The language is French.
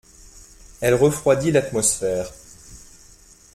Elle refroidit l’atmosphère.